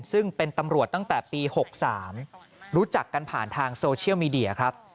ซึ่งเป็นตำรวจตั้งแต่ปี๖๓รู้จักกันผ่านทางโซเชียลมีเดียครับ